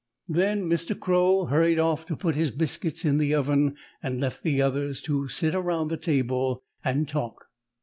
Then Mr. Crow hurried off to put his biscuits in the oven and left the others to sit around the table and talk.